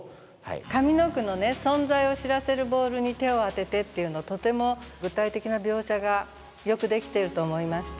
上の句の「存在を知らせる球に手をあてて」っていうのとても具体的な描写がよくできていると思いました。